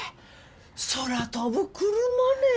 空飛ぶクルマね。